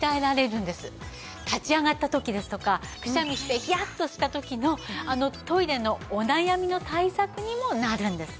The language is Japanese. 立ち上がった時ですとかくしゃみしてヒヤッとした時のあのトイレのお悩みの対策にもなるんです。